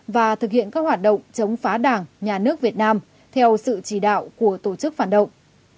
và thực hiện các hoạt động chống phá đảng nhà nước việt nam theo sự chỉ đạo của tổ chức phản động